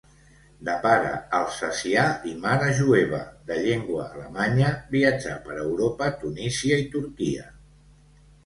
De pare alsacià i mare jueva de llengua alemanya, viatjà per Europa, Tunísia i Turquia.